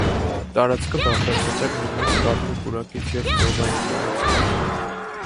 Տարածքը բաղկացած էր մի մեծ կաղնու պուրակից և ծովային տարածքից։